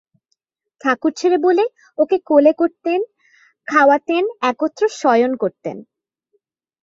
ঠাকুর ছেলে বলে ওকে কোলে করতেন, খাওয়াতেন, একত্র শয়ন করতেন।